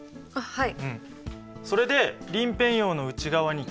はい。